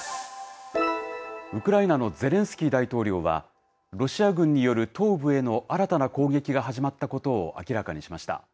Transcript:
ウクライナのゼレンスキー大統領は、ロシア軍による東部への新たな攻撃が始まったことを明らかにしました。